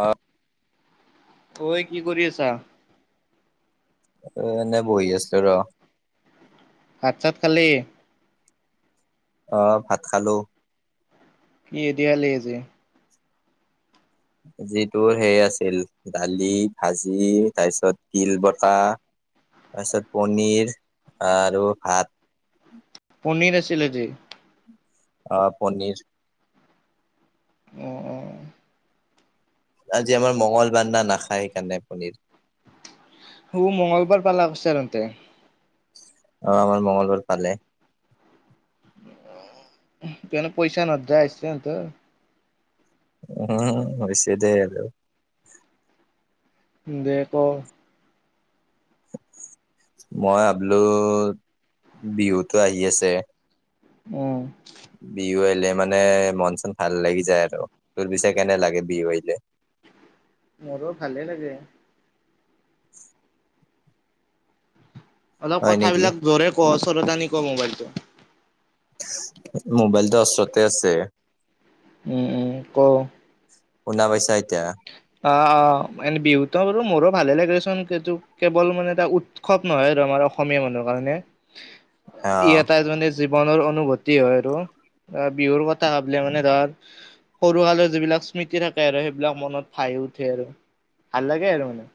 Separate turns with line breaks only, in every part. অ'
অই, কি কৰি আছা?
এনে বহি আছোঁ, ৰ।
ভাত, চাত খালি?
আহ ভাত খালো।
কিহেদি খালি আজি?
যিটো হেই আছিল দালি, ভাজি তাৰপিছত তিল বতা তাৰপিছত পনীৰ আৰু ভাত।
পনীৰ আছিল আজি।
অ', পনীৰ।
অ', অ'।
আজি আমাৰ মঙ্গলবাৰ না নাখায়, সেইকাৰণে পনীৰ।
উ মংগলবাৰ পালা হৈছা তাৰমানে?
অ', আমাৰ মংগলবাৰ পালে।
[unintelligible] পইচা নধৰা হৈছে তা
উম, হৈছে দে আৰু।
দে ক'।
মই ভাবলু বিহুতো আহি আছে
উম।
বিহু আহিলে মানে মন চন ভাল লাগি যায় আৰু তোৰ পিছে কেনে লাগে বিহু আহিলে [inaudible]
মোৰো ভালে লাগে
[inaudible]
অলপ
হয় নেকি
কথাবিলাক জোৰে ক ওচৰতে আনি ক মোবাইলটো
মোবাইলটো ওচৰতে আছে
উম ম ক
শুনা পাইছা এতিয়া
অ অ এনে বিহুত বলো মোৰো ভালে লাগেচোন কেৱল মানে এটা উৎসৱ নহয় আমাৰ অসমীয়া মানুহৰ কাৰণে ই
অ
এটা এ মনে জীৱনৰ অনুভূতি হয় আৰু বিহুৰ কথা ভাবিলে মানে ধাৰ সৰুকালৰ যিবিলাক স্মৃতি থাকে আৰু সেইবিলাক মনত ভাই উঠে আৰু ভাল লাগে আৰু মানে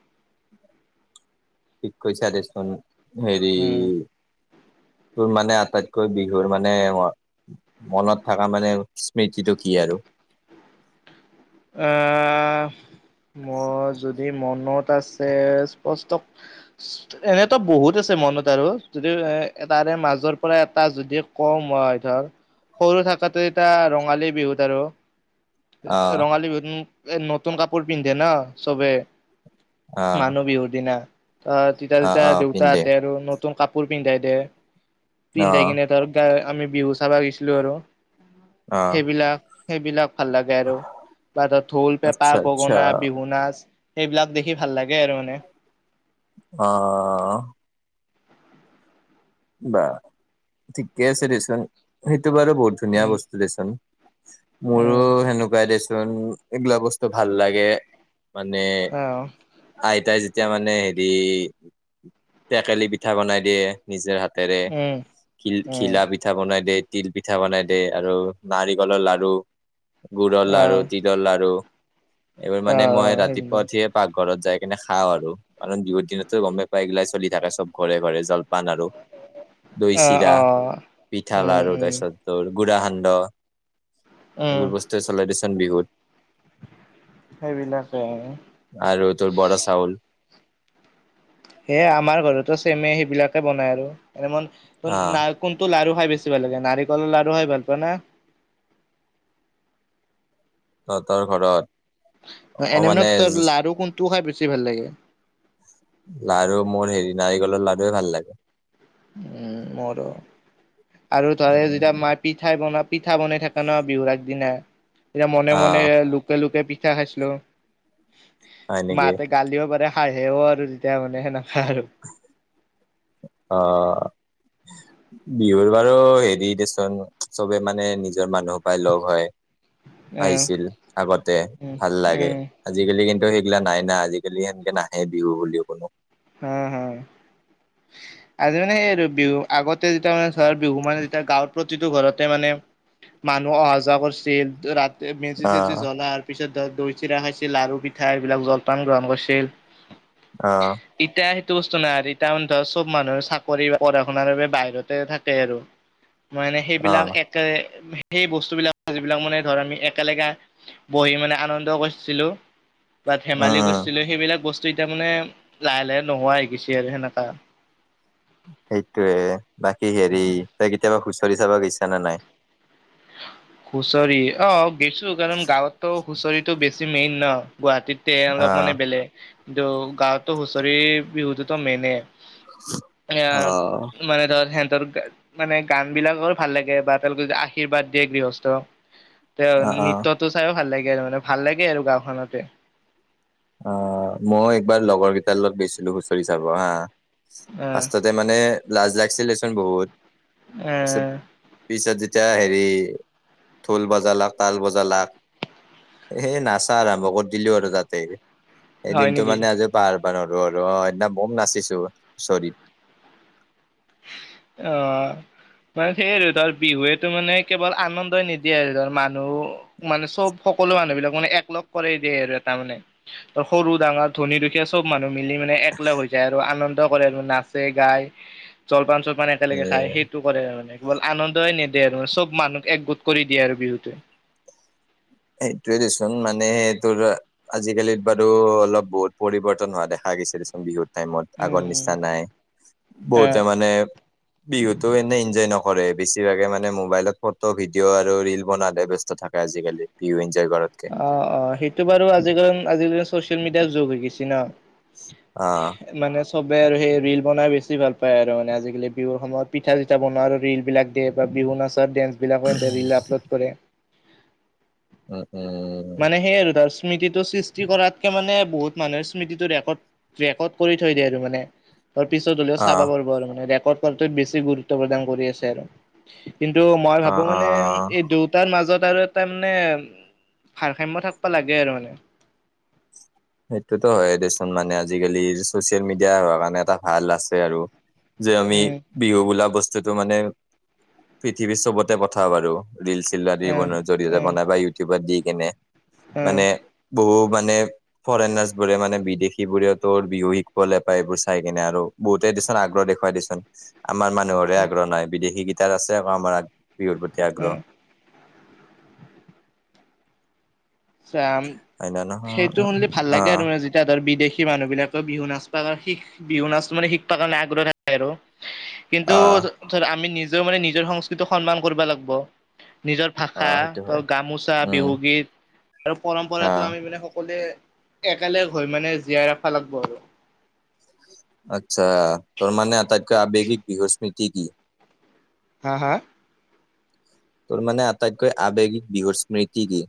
ঠিক কৈছা দেচোন হেৰি
উম
তোৰ মানে আটাইতকৈ বিহুৰ মানে মনত থকা মানে স্মৃতিটো কি আৰু
আহ মই যদি যদি মনত আছে স্পষ্ট এনেতো বহুত আছে মনত আৰু যদি এ এটাৰে মাজৰ পৰা এটা যদি কম হয় ধৰ সৰু থাকাতো এতিয়া ৰঙালী বিহুত আৰু
অ
ৰঙালী বিহুত নতুন কাপোৰ পিন্ধে না চবে
অ
মানুহ বিহুৰ দিনা আহ তেতিয়া
অ অ
তেতিয়া
পিন্ধে
দেউতাহঁতে আৰু নত নতুন কাপোৰ পিন্ধাই দে
অ
পিন্ধাই কিনে ধৰ গা আমি বিহু চাব গৈছিলো আৰু
অ
সেইবিলাক সেইবিলাক ভাল লাগে আৰু হাতত ঢোল পেঁপা
আচ্ছা আচ্ছা
গগনা বিহু নাচ সেইবিলাক দেখি ভাল লাগে আৰু মানে
অ বা ঠিকে আছে দেচোন সেইটো বাৰু বহুত ধুনীয়া
উম
বস্তু দেচোন মোৰো
উম
সেনেকুৱাই দেচোন এইগিলা বস্তু ভাল লাগে মানে
আহ
আইতাই এতিয়া মানে হেৰি টেকেলি পিঠা বনাই দিয়ে নিজৰ হাত হাতেৰে
উম উম
ঘিলা পিঠা বনাই দে হাতেৰে তিল পিঠা বনাই দে আৰু নাৰিকলৰ লাৰু গুডৰ লাৰু
আহ
তিলৰ লাড়ু এইবাৰ মানে মই
আহ
ৰাতিপুৱা
সেইবিলাক
উঠিয়ে পাক ঘৰত যাই কিনে খাওঁ আৰু কাৰণ বিহুৰ দিনতো গমে পাইগিলাই চলি থাকে চব ঘৰে ঘৰে জলপান আৰু দৈ
আহ
চিৰা
আহ
পিঠা
উম
লাড়ু
উম
তাৰপিছত তৰ গুড়া সান্দ
উম
এইবোৰ বস্তুৱে চলোই দিচোন বিহুত
সেইবিলাকে আৰু।
আৰু তোৰ বৰা চাউল
সেয়ে আমাৰ ঘৰতো চেমে সেইবিলাকে বনাই আৰু এনে মন
হা
না কোনটো লাৰু খাই বেছি ভাল লাগে, নাৰিকলৰ লাড়ো খাই ভাল পোৱা না?
তঁহতৰ ঘৰত
এনে মানে তোৰ লাৰু কোনটো খাই বেছি ভাল লাগে?
লাৰু মোৰ হেৰি নাৰিকলৰ লাৰুৱে ভাল লাগে।
ওম মোৰো আৰু তাৰে যেতিয়া মাই পিঠাই বনা পিঠা বনাই থাকা ন' বিহুৰ অগদিনা এতিয়া মনে
আহ
মনে লোকাই লোকাই পি খাইছিলো
হয় নেকি
মাহঁতে গালিও পাৰে হাঁহেও আৰু যেতিয়া মানে সেনেকা আৰু।
অ'। বিহুৰ বাৰু হেৰি দেচোন, চবে মানে নিজৰ মানুহ সোপাই লগ হয়।
উম
আহিছিল আগতে
উম
ভাল লাগে,
উম
আজিকালি কিন সেইগিলা নাই না আজিকালি সেনেকে নাহে বিহু বুলিও কোনো।
হা-হা।
[inaudible]
আজি মানে সেই আৰু বিহু, আগতে যেতিয়া মানে ধৰ বিহু মানে যেতিয়া গাঁৱৰ প্ৰতিটো ঘৰতে মানে। মানুহ অহা-যোৱা কছিল, ৰাতি
অ
মেজি-চেজি জ্বলা হোৱাৰ পিছত দৈ, চিৰা খাইছিল। লাৰু-পিঠা এইবিলাক জলপান গ্ৰহণ কৰিছিল।
অ'।
এতিয়া সেইটো বস্তু নাই, এতিয়া [unintelligible] চব মানুহে চাকৰি বা পঢ়া শুনাৰ বাবে বাহিৰতে থাকে আৰু। মানে
অ
সেইবিলাক একে সেই বস্তুবিলাক যিবিলাক মানে ধৰ আমি একেলগে বহি মানে আনন্দ কৰিছিলো। তাত
উম
ধেমালি
উম
কৰিছিলো সেইবিলাক বস্তু এতিয়া মানে লাহে লাহে নোহোৱা গৈছে আৰু সেনেকা।
সেইটোয়ে বাকী হেৰি তই কেতিয়াবা হুঁচৰি চাব গেইছা নে নাই।
হুঁচৰি অ গৈছো কাৰণ গাঁৱতো হুঁচৰিটো বেছি মেইন ন গুৱাহাটীতে
অ
অলপ মানে বেলেগ কিন্তু গাঁৱততো হুঁচৰি বিহুটোতো মেইনেই। এয়া
অ
মানে তাত সেন মানে গান বিলাকৰ ভাল লাগে বা তেওঁলোকে আশীৰ্বাদ দিয়ে গৃহস্থ তে
অ অ
নৃত্যতটো চাইও ভাল লাগে আৰু মানে ভাল লাগে আৰু গাঁওখনতে।
অ' মই একবাৰ লগৰ কেইটাৰ লগত গেছিলো হুঁচৰি চাব হা।
অ
ফাৰ্ষ্টতে মানে লাজ লাগছিলেচোন বহুত
এ
তাৰ পিছত মানে। এতিয়া হেৰি ঢোল-বজালাক, তাল বজালাক। সেই নাচা আৰম্ভ কৰি দিলো আৰু তাতে
হয়
সেইদিনতটো
নেকি
মানে আজি পাহাৰ ৰ আৰু অ' সেইদিনা বম নাচিছো হুঁচৰিত।
অ মানে সেইয়া আৰু ধৰ বিহুৱেতো মানে কেৱল আনন্দই নিদিয়ে আৰু ধৰ মানুহ মানে চব সকলো মানুহ বিলাক মানে একলগ কৰাই দিয়ে আৰু এটা মানে ত' সৰু, ডাঙৰ ধনী, দুখীয়া সব মানুহ মিলি মানে এককলা হৈ যায় আৰু আনন্দ কৰে আৰু নাচে গাই জলপান চল মানে
এ
একেলগে খাই সেইটো কৰে মানে। ল আনন্দই নেদে আৰু চব মানুহ একগোট কৰি দিয়ে আৰু বিহুত
সেইটোয়ে দেচোন মানে সেইটো আজিকালিত বাৰু অলপ বহুত পৰিবৰ্তন হোৱা দেখা লাগিছে দে চোন বিহুত। টাইমত আগৰ
উম উম
নিচিনা নাই
এ
বহুতে মানে বিহুতো এনে এনজয় নক কৰে বছিভাগে মানে মোবাইলত ফটো ভিডিঅ' আৰু ৰিল বনাতহে ব্যস্ত থাকে আজিকালি। ভিও
অ', অ', সেইটো বাৰু আজিকাল আজিকালি ছ'চিয়েল মেডিয়াৰ যুগ হৈ গেছি ন'।
অ',
সবেই আৰু সেই ৰিল বনাই বেছি ভাল পায় আৰু আজিকালি বিহুৰ সময়ত পিঠা চিঠা বনোৱা আৰু ৰিল বিলাক দিয়া বা বিহু নাচ স, ডেন্সবিলাক এনকে ৰিল আপলোড কৰে।
অ', অ',
মানে সেই আৰু ধৰ স্মৃতিটো সৃষ্টি কৰাতকে মানে বহুত মানুহে স্মৃতিটো ৰেকৰ্ড ৰেকৰ্ড কৰি থৈ দিয়ে আৰু মানে। ত পিছত হ'লেও
অ
চাব পাৰব আৰু মানে ৰেকৰ্ড কৰাটো বেছি গুৰুত্ব প্ৰদান কৰি আছে আৰু। কিন্তু মই
অ
ভাবো
অ
মানে এই দুয়োটাৰ মাজত আৰু এটা মানে ভাৰ খাম্য থাকব লাগে আৰু মানে
সেইটোতো হয়, দেচোন মানে আজিকালি চচিয়েল মিডিয়া হোৱা কাৰণে এটা ভাল আছে আৰু যে আমি
উম,
বিহু বোলা বস্তুত মানে পৃথিৱীত চবতে পঠাওঁ বাৰো ৰিল চিল
উম,
[unintelligible] জৰিয়তে
উম,
বনাই বা ইউটিউবত দি কেনে
উম,
মানে বহু মান ফৰেনাৰছ বোৰে মানে বিদেশী বোৰে ত বিহু শিকিবলৈ পায় এইবোৰ চাই কিনে আৰু বহুতেই দিত আগ্ৰহ দেখুৱাই দিছোন আমাৰ মানুহৰে
উম,
আগ্ৰহ নাই বিদেশী কিটাৰ আছে আকৌ আমাৰ বিহুৰ প্ৰতি
উম।
আগ্ৰহ
চাম
হয় ন নহয়
সেইটো শুনিলে ভাল
অ
লাগে আৰু যেতিয়া ধৰ বিদেশী মানুহ বিলাকৰ বিহু নাচপাত শিখ বিহু নাচ মানে শিকবৰ কাৰণে আগ্ৰহ আৰু কিন্তু
অ
ধ আমি নিজ নি মানে নিজৰ সংস্কৃতিক সন্মান কৰিব লাগিব নিজৰ
অ
ভাষা,
সেইটো
ত
হয়
গামোচা,
উম
বিহুগীত আৰু
অ
পৰম্পৰাতটো আমি মানে লে একেলগ হৈ মানে জীয়াই ৰখা লাগিব আৰু।
আচ্ছা ত মানে আ তাইতক আৱেগিক বিহু স্মৃতি কি?
হা-হা?
তোৰ মানে আটাইতকৈ আৱেগিক বিহুৰ স্মৃতি কি?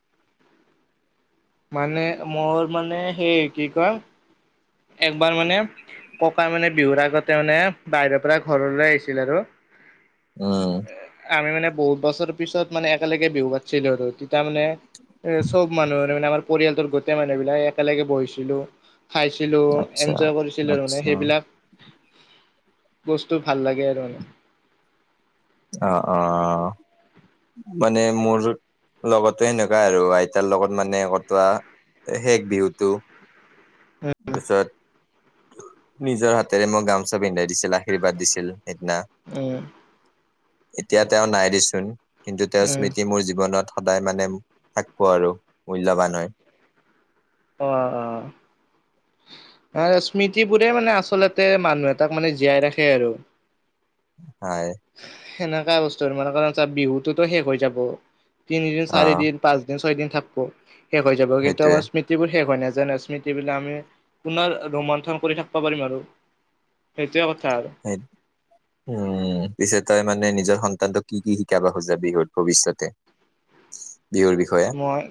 মানে মোৰ মানে সেই কি কয় একবাৰ মানে ককা মানে বিহুৰ আগতে মানে বাহিৰৰ পৰা ঘৰলৈ আহিছিল আৰু
উম
আমি মানে বহুত বছৰ পিছত মানে একেলগে বিহু পাতিছিলো আৰু তাৰ মানে এ চব মানুহ মানে আমাৰ পৰিয়ালটোৰ গোটেই মানুহ বিলাক একেলগে বহিছিলো খাইছিলো
আচ্ছা
এনজয় কৰিছিলো তাৰানে
আচ্ছা
সেইবিলাক বস্তু ভাল লাগে আৰু মানে।
অ', অ'। মানে মোৰ লগতে এনেকুৱা আৰু আইতাৰ লগত মানে কটোৱা শেষ বিহুতটো তাৰপিছত নিজৰ হাতেৰে মই গামোচা পিন্ধাই দিছিল আশীৰ্বাদ দিছিল। সেইদিনা
উম
এতিয়া তেওঁ নাই দিচোন কিন্তু তেওঁৰ
উম
স্মৃতি মোৰ জীৱনত সদায় মানে থাক আৰু মূল্যবান হয়।
অ', অ'। আৰু স্মৃতিবোৰে মানে আচলতে মানুহ এটাক মানে জীয়াই ৰাখে আৰু।
হয়।
সেনেককা বস্তু আৰু মানে কাৰণ চ বিহুতোতো শেষ হৈ যাব, তিনিদিন,
অ
চাৰিদিন, পাঁচদিন, ছয়দিন থাকব, শেষ হৈ যাব কিন্তু
সেইটোয়ে
আমাৰ স্মৃতিবোৰ শেষ হয় নাজাই ন, স্মৃতিবিলাক আমি পুনৰ ৰুমন্থন কৰি থাকিব পাৰিম আৰু। সেইটোৱে কথা আৰু
উম, পিছে তই মানে নিজৰ সন্তানটো কি কি শিকাব খোজা বিহুুৰ ভৱিষ্যতে? বিহুৰ বিষয়ে
মই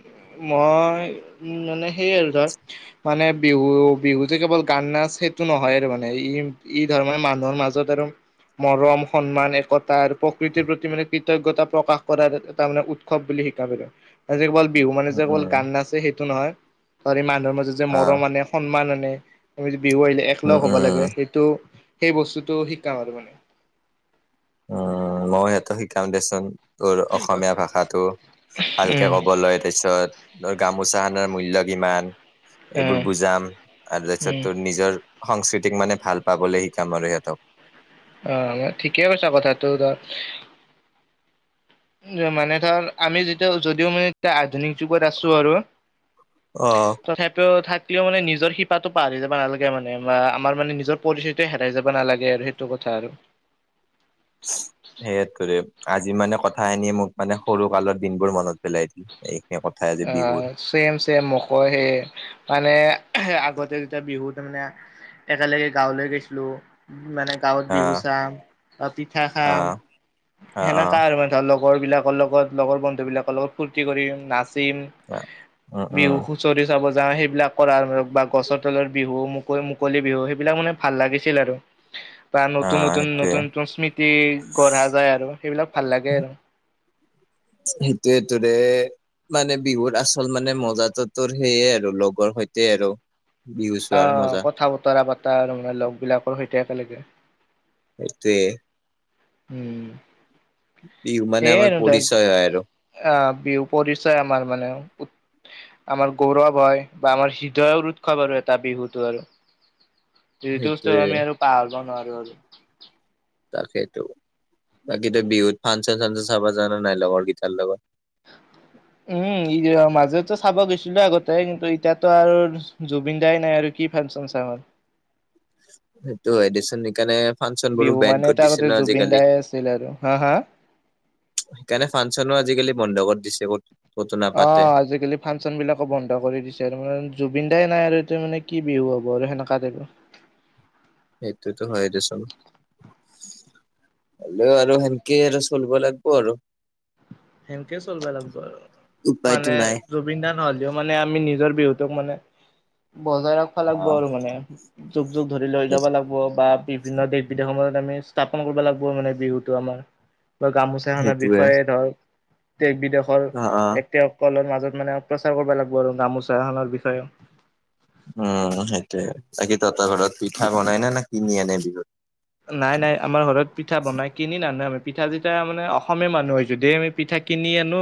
মই উ মানে সেইয় আৰু ধৰ মানে বিহু বিহুতে কেৱল গান নাচ সেইটো নহয়, আৰু মানে ই ইদ তাৰ মে মানুহৰ মাজত আৰু মৰম, সন্মান, একতা আৰু প্ৰকৃতিৰ প্ৰতি মানে কৃতজ্ঞতা প্ৰকাশ কৰাৰ এটা মানে উৎসৱ বুলি শিকাবিল যে কেৱল বিহু মানে
উম
যে কেৱল
উম
গান নাচছে সেই টো নহয় হ মানুহৰ মাজত যে
অ
মৰম আনে সন্মান আনে মি বিহু আহিলে
উম
একলগ হ'ব
উম
লাগে সেইটো সেই বস্তুটো শিকাম আৰু মানে।
উম, মই সিহঁতে শিকাম দেচোন তোৰ অসমীয়া ভাষাটো ভালকে
উম
ক'ব লয় তাৰপিছত তোৰ গামোচা খানাৰ মূল্য কিমান,
অ
এইবোৰ বুজাম আৰু
উম
তাৰপিছত তোৰ নিজৰ সংস্কৃতিক মানে ভাল পাবলৈ শিকাম আৰু সিহঁতক।
অ', ম ঠিকে কৈছা কথাটো ধৰ মানে ধৰ আমি যেতিয়া যদিও মানে এতিয়া আধুনিক যুগত আছো আৰু
অ
তথাপিও থাক কেতিয়া মানে নিজৰ শিপাটো পাহৰি যাব নালাগে মানে বা আমাৰ মানে নিজৰ পৰিস্থিতিয় হেই যাব নালাগে আৰু সেইটো কথা। আৰু
[unintelligible] সেইয়টোৰে আজি মানে কথা খিনিয় মোক মানে সৰু কালৰ দিনবোৰ মনত পেলাই দিল এই
অ', চেম চেম মক সেই মানে আগতে যেতিয়া বিহু তাৰ মানে একেলগে গাঁৱলৈ গাইছিলো মানে গাঁৱত
অ
বিহু চাম বা পিঠা
অ
খাম
অ
সেনেকা
অ
আৰু মানে ধৰ লগ লগৰবিলাকৰ লগত লগৰ বন্ধুবিলাকৰ লগত ফূৰ্তি কৰি নাচ
উম
বিহু
উম
হুঁচৰি চাব যা সেইবিলাক কৰা বা গছৰ তলৰ বিহু মুকল মুকলি বিহু সেইবিলাক মানে ভাল লাগিছিল আৰু। বা
অ
নতুন নতুন
সেইটোয়ে
নতুন নতুন স্মৃতি গঢ়া যায় আৰু সেইবিলাক ভাল লাগে আৰু।
সেইটোৱেতো ৰে মানে বিহুৰ আচল মানে মজাটো তোৰ সেইয়ে আৰু লগৰ সৈতে আৰু। বিহু চোৱাৰ
অহ
মজা
কথা বতৰা পতৰা ৰ লগ বিলাকৰ সৈতে একেলগে।
এটোৱে
উম।
বিহু মানে
সেই
আমাৰ
আৰু
পৰিচয় হয়
তত
আৰু
আহ বিহু পৰিচয় আমাৰ মানে উৎ আমাৰ গৌৰৱ হয় বা আমাৰ হৃদয়ৰ উৎসৱ আৰু এটা বিহুটো আৰু। যিটো
সেইটোয়ে
আমি আৰু পাহৰিব নোৱাৰো আৰু।
তাকে টো বাকী বিহুত ফাংচন চাংচন চাব জানা নাই লগৰ কেইটাৰ লগত? [inaudible]
উম ই মাজতো চাব গৈছিলো আগতে কিন্তু এতিয়াতো আৰু জুবিন দাই নাই আৰু কি ফানচন চাম
সেইটো এ দেচোন ইকাণে ফানচনবোৰো
বিহু
বেণ্ড
মানে
কত
তাৰ
দিছে
আগতে
ন
জুবিন
আজিকালি।
দায়ে আছিল আৰু হা হা
সেইকাৰণে ফানচনো আজিকালি বন্ধগত দিছে ক'ত ক'তো
অ
নাপাতে
আজিকালি ফানচনবিলাকো বন্ধ কৰি দিছে তাৰ মানে জু বিন দাই নাই আৰু এতিয়া মানে কি বিহু হ'ব আৰু সেনেকা তাইপৰ।
এইটোতোত হয় দেচোন। হলেও আৰু সেকে আৰু চলব লাগিব আৰু।
সেনেকে চলিব লাগিব আৰু
উপায়তো
মানে
নাই
জুবিন দাৰ নহ'লেও মা নে আমি নিজৰ বিহুটোক মানে বজাই ৰাখিব লাগিব
অহ
আৰু মানে, যুগ যুগ ধৰি লৈ যাব লাগিব বা বিভিন্ন দেশ বিদেশৰ মাজত আমি স্থাপন কৰিব লাগিব মানে বিহুতটো আমাৰ। বা গামোচাখনৰ
সেইটোয়ে
বিষয়ে ধৰ দেশ-বিদেশৰ
অ অ
ব্যক্তিসকলৰ মাজ ত মানে প্ৰচাৰ কৰিব লাগিব আৰু গামোচাখনৰ বিষয়ে।
উম সেইটোৱে, বাকী তহঁতৰ ঘৰত পিঠা বনাই নে, না কিনি আনে বিহুত?
নাই নাই, আমাৰ ঘৰত পিঠা বনাই, কিনি নানো আমি পিঠা যেতিয়া মানে অসমীয়া মানুহ হয়, যদিহে আমি পিঠা কিনি আনো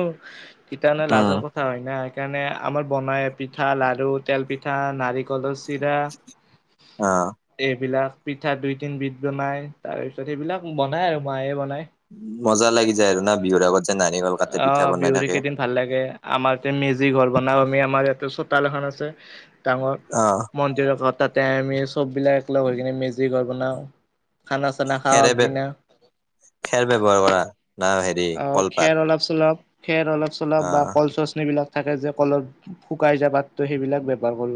তেতিয়া মানে লাজৰ
উম
কথা হয় না সেইকাৰণে আমাৰ বনায়, পিঠা, লাড়ু, তেল পিঠা, নাৰিকলৰ চি চিৰা,
অ
এইবিলাক পিঠা দুই, তিনিবিধ বানায়, তাৰ পিছত সেইবিলাক বনাই আৰু মায়ে বনায়।
মজা লাগি যায় আৰু না বিহুৰ আগত? যে নাৰিকল কাটি পিঠা
অ',
বনাই
বিহুৰ
থাকে
কেইদিন ভাল লাগে, আমাৰ তাতে মেজি ঘৰ বনাও আমি আমাৰ ইয়াতে চোতাল এখন আছে ডাঙৰ,
অ
মন্দিৰৰ ঘৰ, তাতে আমি চববিলাক একলগ হৈ কিনে মেজি ঘৰ বনাওঁ খানা-চানা খাওঁ
খেৰে বে
আগদিনা।
খেৰ ব্যৱহাৰ কৰা না হেৰি
অ',
কলপাত
খেৰ অলপ-চলপ খেৰ অলপ চলপ বা
অ
কল চচনি বিলাক থাকে যে কলৰ শুকাই যোৱা পাতটো, সেইবিলাক ব্যৱহাৰ কৰোঁ।